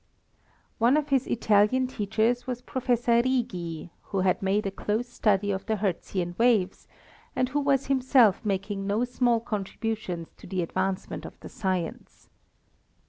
One of his Italian teachers was Professor Righi, who had made a close study of the Hertzian waves, and who was himself making no small contributions to the advancement of the science.